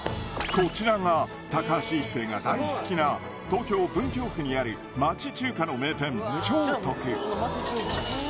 こちらが高橋一生が大好きな東京・文京区にある町中華の名店兆徳